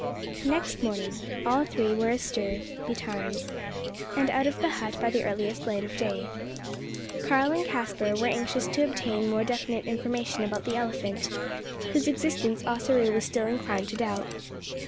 Next morning all three were astir betimes, and out of the hut by the earliest light of day. Karl and Caspar were anxious to obtain more definite information about the elephant, whose existence Ossaroo was still inclined to doubt.